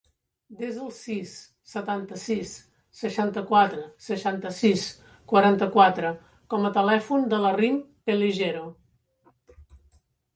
Desa el sis, setanta-sis, seixanta-quatre, seixanta-sis, quaranta-quatre com a telèfon de la Rim Pellejero.